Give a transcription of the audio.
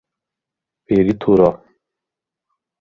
Peritoró